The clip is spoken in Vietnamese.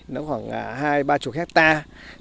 nó khoảng hai ba chục hectare